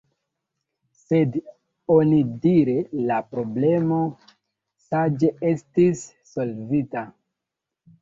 Sed onidire la problemo saĝe estis solvita.